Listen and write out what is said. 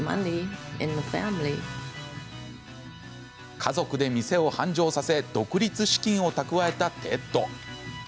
家族で店を繁盛させ独立資金を蓄えたテッド。